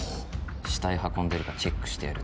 「死体運んでるかチェックしてやる」